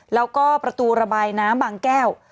แล้วก็ประตูระบายน้ำบางแก้ว